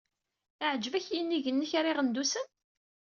Iɛǧeb-ak yinig-inek ar Iɣendusen?